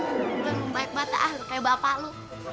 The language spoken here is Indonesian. lo baik banget ya ah kayak bapak lo